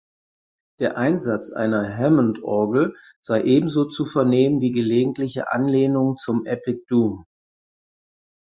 Der Einsatz einer Hammondorgel sei ebenso zu vernehmen wie gelegentliche Anlehnungen zum Epic Doom.